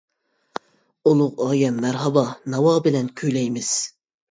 ئۇلۇغ ئايەم مەرھابا، ناۋا بىلەن كۈيلەيمىز.